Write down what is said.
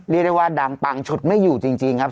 เรียกได้ว่าดังปังฉุดไม่อยู่จริงครับ